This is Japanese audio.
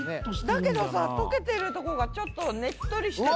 だけどさ溶けてるとこがちょっとねっとりして。